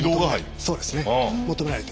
そうですね。求められて。